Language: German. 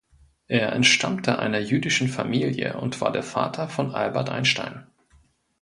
Er entstammte einer jüdischen Familie und war der Vater von Albert Einstein.